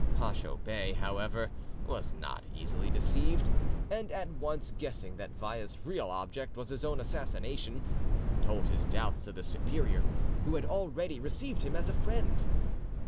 Pacho Bey, however, was not easily deceived, and at once guessing that Vaya's real object was his own assassination, told his doubts to the superior, who had already received him as a friend.